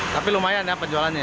tapi lumayan ya penjualannya